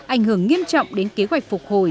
ảnh hưởng nghiêm trọng đến kế hoạch phục hồi